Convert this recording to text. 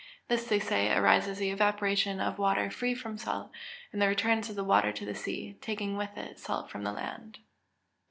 This, they say, arises from the evaporation of water free from salt, and the returns of the water to the sea, taking with it salt from the land.